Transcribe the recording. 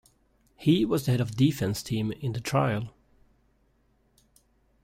He was the head of defense team in the trial.